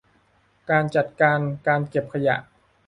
การจัดการการเก็บขยะ